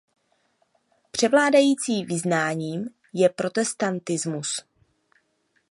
Převládajícím vyznáním je protestantismus.